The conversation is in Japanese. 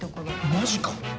マジか？